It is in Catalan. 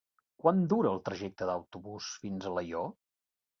Quant dura el trajecte en autobús fins a Alaior?